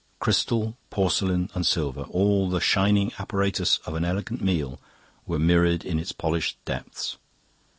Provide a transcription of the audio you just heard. Crystal, porcelain, and silver, all the shining apparatus of an elegant meal were mirrored in its polished depths.